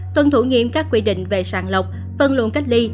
tuân thủ nghiệm các quy định về sàng lọc phân luận cách ly